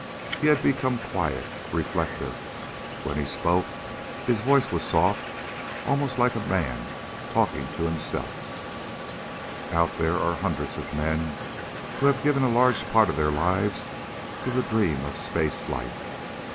He had become quiet, reflective. When he spoke, his voice was soft, almost like a man talking to himself. "Out there are hundreds of men who have given a large part of their lives to the dream of space flight.